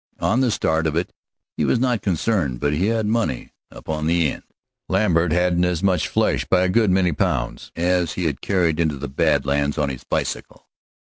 On the start of it he was not concerned, but he had money up on the end. Lambert hadn't as much flesh, by a good many pounds, as he had carried into the Bad Lands on his bicycle.